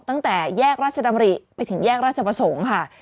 ตั้งแต่แยกราชดำริไปถึงแยกราชประสงค์ค่ะ